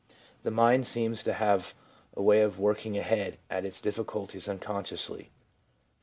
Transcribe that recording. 1 The mind seems to have a way of working ahead at its difficulties uncon sciously.